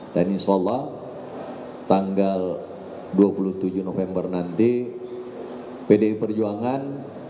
dan insyaallah tanggal dua puluh tujuh november nanti pdi perjuangan